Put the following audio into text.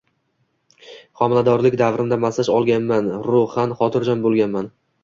Homiladorlik davrimda massaj olganman, ruhan xotirjam bo‘lganman